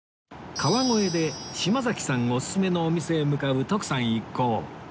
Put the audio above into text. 川越で島崎さんオススメのお店へ向かう徳さん一行